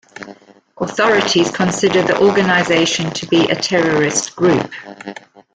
Authorities consider the organization to be a terrorist group.